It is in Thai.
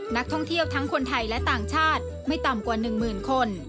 นักท่องเที่ยวทั้งคนไทยและต่างชาติไม่ต่ำกว่า๑หมื่นคน